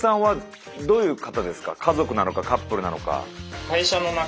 家族なのかカップルなのか。